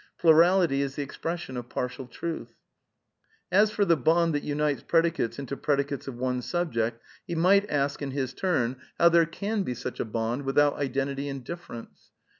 Plurality is the expression oj/ partial truth. As for " the bond that unites predicates into predicates of one subject," he might ask, in his turn, how there can THE NEW REALISM 201 be such a bond without identity in difference